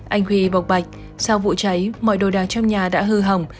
anh huy bọc bạch sau vụ cháy mọi đồ đạc trong nhà đã hư hỏng